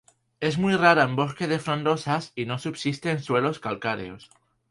Es muy rara en bosques de frondosas y no subsiste en suelos calcáreos.